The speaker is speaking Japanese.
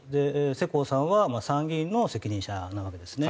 世耕さんは参議院の責任者なわけですね。